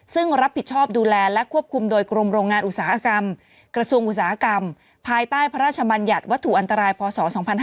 ซึ่งรับผิดชอบดูแลและควบคุมโดยกรมโรงงานอุตสาหกรรมกระทรวงอุตสาหกรรมภายใต้พระราชบัญญัติวัตถุอันตรายพศ๒๕๕๙